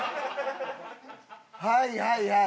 はいはいはい。